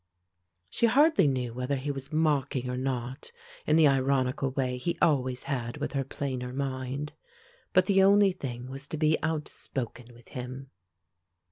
She hardly knew whether he was mocking or not, in the ironical way he always had with her plainer mind. But the only thing was to be outspoken with him.